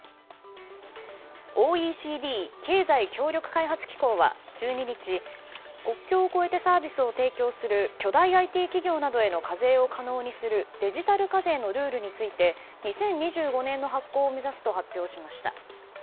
ＯＥＣＤ・経済協力開発機構は１２日国境を越えてサービスを提供する巨大ＩＴ企業などへの課税を可能にするデジタル課税のルールについて２０２５年の発効を目指すと発表しました。